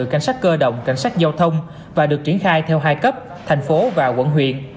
một mươi cảnh sát cơ động cảnh sát giao thông và được triển khai theo hai cấp thành phố và quận huyện